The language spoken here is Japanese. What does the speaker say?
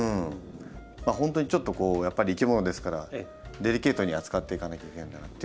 本当にちょっとこうやっぱり生き物ですからデリケートに扱っていかなきゃいけないんだなっていう感じが。